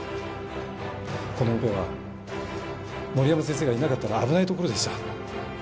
このオペは森山先生がいなかったら危ないところでした。